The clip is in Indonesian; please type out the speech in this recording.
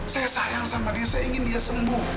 saya sayang sama dia saya ingin dia sembuh